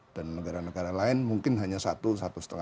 dan negara negara lain mungkin hanya satu satu lima kali dari gdp